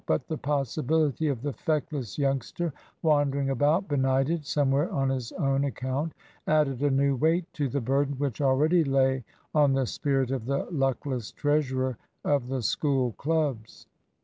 But the possibility of the feckless youngster wandering about benighted somewhere on his own account added a new weight to the burden which already lay on the spirit of the luckless treasurer of the School clubs.